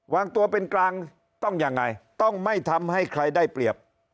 วางตัวเป็นกลางต้องยังไงต้องไม่ทำให้ใครได้เปรียบ